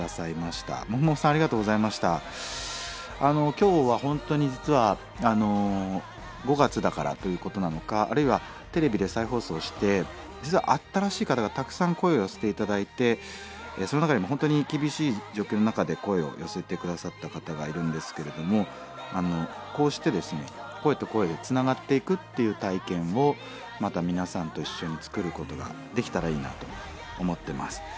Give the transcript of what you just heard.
今日は本当に実は５月だからということなのかあるいはテレビで再放送して実は新しい方がたくさん声を寄せて頂いてその中でも本当に厳しい状況の中で声を寄せて下さった方がいるんですけれどもこうしてですね声と声でつながっていくっていう体験をまた皆さんと一緒に作ることができたらいいなと思ってます。